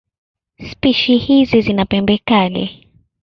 Spishi hizi zina pembe kali.